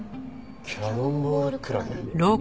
キャノンボールクラゲ？